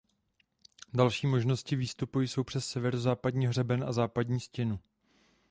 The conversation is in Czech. Další možnosti výstupu jsou přes severozápadní hřeben a západní stěnu.